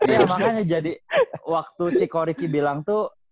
ya makanya jadi waktu si koriki bilang tuh